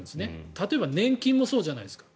例えば年金もそうじゃないですか。